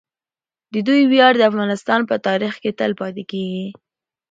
د دوی ویاړ د افغانستان په تاریخ کې تل پاتې کیږي.